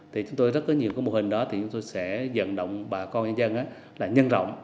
thì chúng tôi rất có nhiều cái mô hình đó thì chúng tôi sẽ dần động bà con nhân dân là nhân rộng